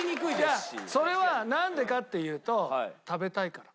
いやそれはなんでかっていうと食べたいから。